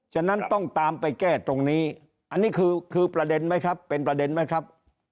ฉะนั้นต้องตามไปแก้ตรงนี้อันนี้คือประเด็นไหมครับเป็นประเด็นไหมครับ